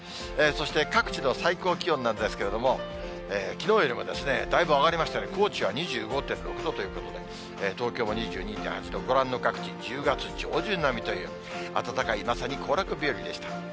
そして、各地の最高気温なんですけれども、きのうよりもだいぶ上がりましたね、高知は２５．６度ということで、東京も２２．８度、ご覧の各地、１０月上旬並みという、暖かい、まさに行楽日和でした。